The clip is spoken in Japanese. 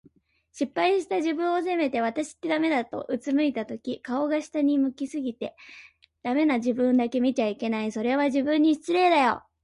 失敗した自分を責めて、「わたしってダメだ」と俯いたとき、顔が下を向き過ぎて、“ダメ”な自分だけ見ちゃいけない。それは、自分に失礼だよ。